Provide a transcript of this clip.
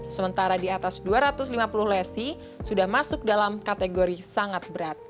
sementara di atas dua ratus lima puluh lesi sudah masuk dalam kategori sangat berat